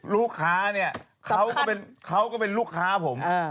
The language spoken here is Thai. ลูกค้าเนี่ยเขาก็เป็นลูกค้าผม